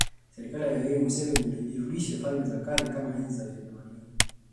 Serikali ya Yoweri Museveni ilirudisha falme za kale kama enzi za kiutamaduni